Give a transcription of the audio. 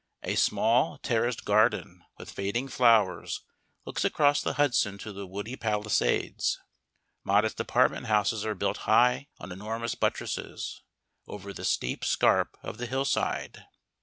A small terraced garden with fading flowers looks across the Hudson to the woody Palisades. Modest apartment houses are built high on enormous buttresses, over the steep scarp of the hillside.